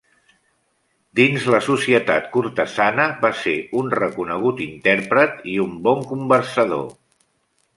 Dins la societat cortesana va ser un reconegut intèrpret i un bon conversador.